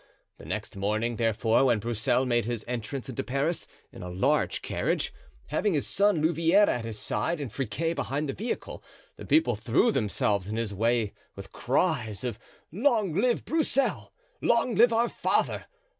The next morning, therefore, when Broussel made his entrance into Paris in a large carriage, having his son Louvieres at his side and Friquet behind the vehicle, the people threw themselves in his way and cries of "Long live Broussel!" "Long live our father!"